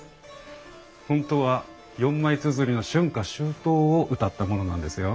本当は４枚つづりの春夏秋冬をうたったものなんですよ。